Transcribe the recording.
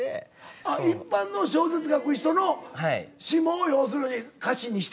あっ一般の小説書く人の詞も要するに歌詞にして。